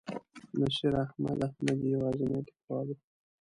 نصیر احمد احمدي یوازینی لیکوال و.